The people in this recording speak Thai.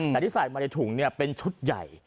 แต่ที่ใส่มาในถุงเป็นชุดใหญ่